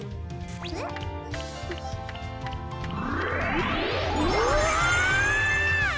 えっ⁉うわ！